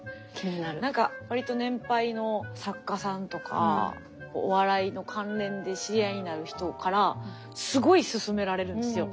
なんかわりと年配の作家さんとかお笑いの関連で知り合いになる人からすごいすすめられるんですよ。